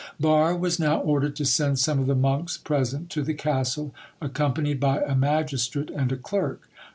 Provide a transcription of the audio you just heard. Barre was now ordered to send some of the monks present to the castle, accompanied by a magistrate and a clerk.